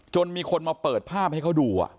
มีคนมาเปิดภาพให้เขาดู